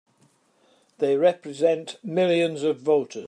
They represent millions of voters!